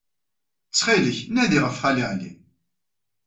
Ttxil-k, nadi-d ɣef Xali Ɛli.